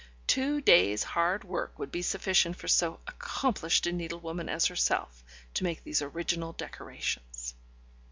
Two days' hard work would be sufficient for so accomplished a needlewoman as herself to make these original decorations.